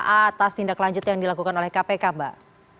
atas tindak lanjut yang dilakukan oleh kpk mbak